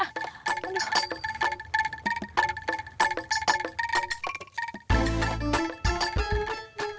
ngobrolnya pindah aja